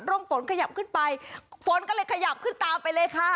ร่องฝนขยับขึ้นไปฝนก็เลยขยับขึ้นตามไปเลยค่ะ